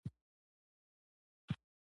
دوی د زبېښونکو بنسټونو له امله کړېږي.